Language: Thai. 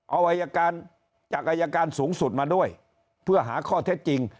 เอาอายการจากอายการสูงสุดมาด้วยเพื่อหาข้อเท็จจริง